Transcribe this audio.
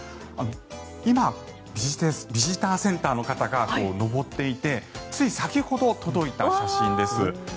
今、ビジターセンターの方が登っていてつい先ほど届いた写真です。